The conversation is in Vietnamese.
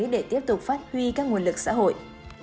để tiếp tục phát huy các nguồn lực xã hội